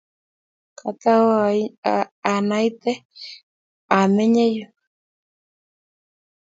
Katau anaite amenye yu.